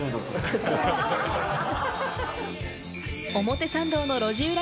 表参道の路地裏